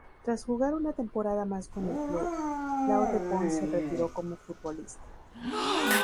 Tras jugar una temporada más con el club, Claude Bon se retiró como futbolista.